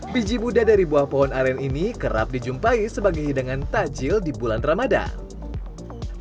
biji buddha dari buah pohon aren ini kerap dijumpai sebagai hidangan tajil di bulan ramadan